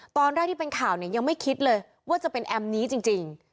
ตอนแรกที่เป็นข่าวเนี่ยยังไม่คิดเลยว่าจะเป็นแอมนี้จริง